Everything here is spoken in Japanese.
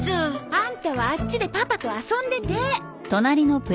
アンタはあっちでパパと遊んでて。